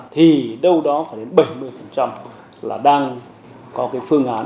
thì đâu đó phải đến bảy mươi là đang có cái phương án